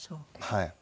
はい。